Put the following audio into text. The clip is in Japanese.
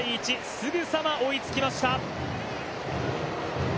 すぐさま追いつきました。